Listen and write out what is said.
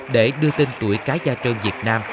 để đưa tên tuổi cá gia trơn việt nam